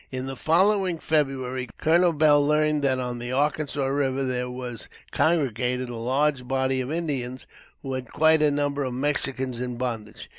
In the following February, Col. Beall learned that on the Arkansas River there were congregated a large body of Indians, who had quite a number of Mexicans in bondage.